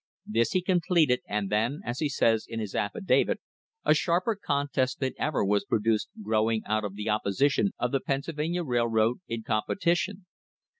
This he completed, and then, as he says in his affidavit, "a sharper contest than ever was produced growing out of the opposition of the Pennsylvania Railroad in competition.